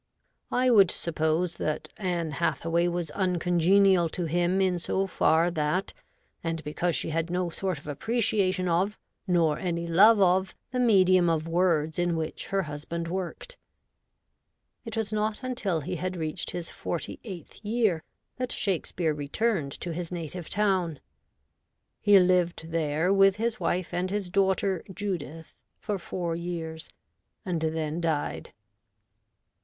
I would suppose that Ann Hathaway was uncongenial to him in so far that, and because she had no sort of appreciation of, nor any love of, the medium of words in which her husband worked. It was not until he had reached his forty eighth year that Shakespeare returned to his native town. He lived there with his wife and his daughter Judith for four years, and then died.